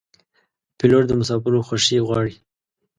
پیلوټ د مسافرو خوښي غواړي.